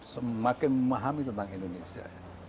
semakin memahami tentang indonesia